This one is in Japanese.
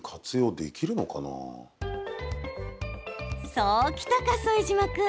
そうきたか、副島君。